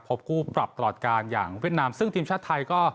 พบคู่ปรับตลอดการอย่างเวียดนามซึ่งทีมชาติไทยก็